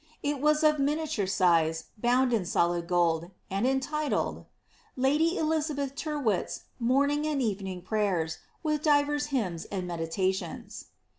It iras of miniature size, bound in solid gold, and entitled, ^40^ SLIZABXTH. 41 ^ I^dy Eliabeth Tyrwhifs Morning and Evening Prayers, with divers Bymiis and Meditations.